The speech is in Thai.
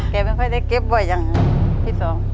แกไม่ค่อยได้เก็บบ่อยอย่างนั้นพี่สอง